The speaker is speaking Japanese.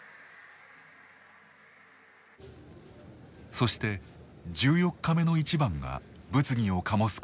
そして１４日目の一番が物議を醸すことになる。